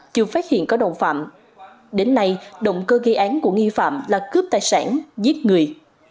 chưa phát hiện có đồng phạm đến nay động cơ gây án của nghi phạm là cướp tài sản giết người